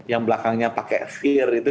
yang belakangnya pakai fear itu